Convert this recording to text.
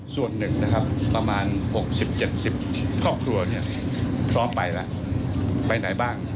ส่วนหนึ่งนะครับประมาณ๖๐๗๐ครอบครัวพร้อมไปแล้วไปไหนบ้าง